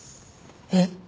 えっ？